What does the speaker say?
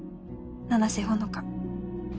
「七瀬ほのか」